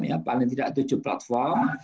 ya paling tidak tujuh platform